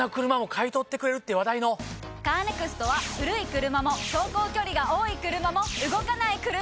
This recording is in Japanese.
カーネクストは古い車も走行距離が多い車も動かない車でも。